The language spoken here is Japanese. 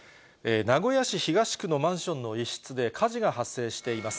名古屋市東区のマンションの一室で火事が発生しています。